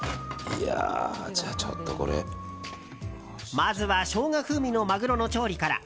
まずはショウガ風味のマグロの調理から。